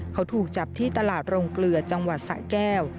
เขาถูกจับที่ตลาดโรงเกลือจังหวัดสะแก้ว